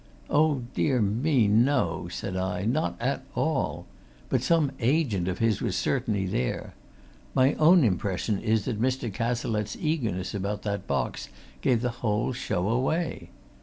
"Oh, dear me, no!" said I. "Not at all! But some agent of his was certainly there. My own impression is that Mr. Cazalette's eagerness about that box gave the whole show away.